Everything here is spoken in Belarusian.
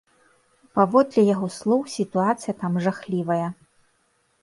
Паводле яго слоў, сітуацыя там жахлівая.